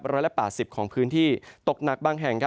ร้อยละ๘๐ของพื้นที่ตกหนักบางแห่ง